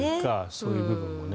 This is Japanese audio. そういう部分もね。